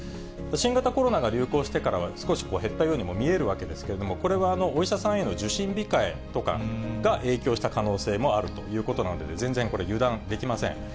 新型コロナが流行してからは少し減ったようにも見えるわけですけれども、これはお医者さんへの受診控えとかが影響した可能性もあるということなので、全然これ、油断できません。